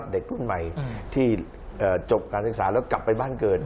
เด็กรุ่นใหม่ที่จบการศึกษาแล้วกลับไปบ้านเกิด